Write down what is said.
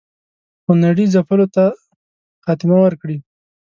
خونړي ځپلو ته خاتمه ورکړي.